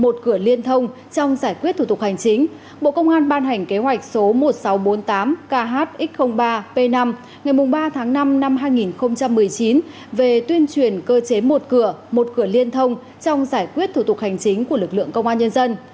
một cửa liên thông trong giải quyết thủ tục hành chính bộ công an ban hành kế hoạch số một nghìn sáu trăm bốn mươi tám khx ba p năm ngày ba tháng năm năm hai nghìn một mươi chín về tuyên truyền cơ chế một cửa một cửa liên thông trong giải quyết thủ tục hành chính của lực lượng công an nhân dân